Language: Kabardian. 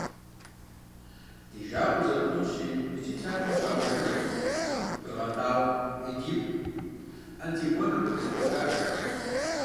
Ди жагъуэ зэрыхъунщи, иджы театрым щагъэувыжыркъым, «Тыргъэтауэ», «Эдип», «Антигонэ» хуэдэ спектаклхэр.